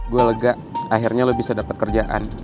gue lega akhirnya lo bisa dapat kerjaan